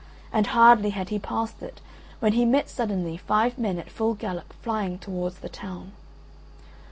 And hardly had he passed it, when he met suddenly five men at full gallop flying towards the town.